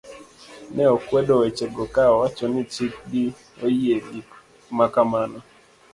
ne okwedo wechego ka owacho ni chik gi oyie gik ma kamano